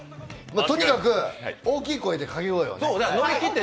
とにかく大きい声で掛け声はね。